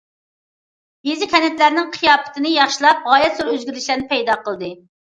يېزا، كەنتلەرنىڭ قىياپىتىنى ياخشىلاپ، غايەت زور ئۆزگىرىشلەرنى پەيدا قىلدى.